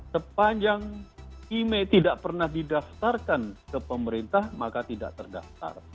sepanjang imei tidak pernah didaftarkan ke pemerintah maka tidak terdaftar